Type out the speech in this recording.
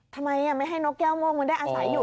ทำไมไม่ให้นกแก้วโม่งมันได้อาศัยอยู่